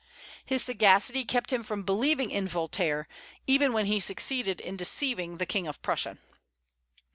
"His sagacity kept him from believing in Voltaire, even when he succeeded in deceiving the King of Prussia."